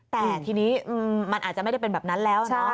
แต่ทีนี้มันอาจจะไม่ได้เป็นแบบนั้นแล้ว